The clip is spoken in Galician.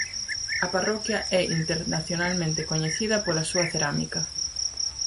A parroquia é internacionalmente coñecida pola súa cerámica.